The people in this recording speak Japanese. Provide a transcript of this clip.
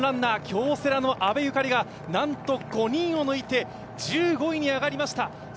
京セラの阿部有香里がなんと５人を抜いて１５位に上がりました。